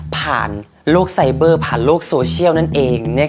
ผ่านโลกไซเบอร์ผ่านโลกโซเชียลนั่นเอง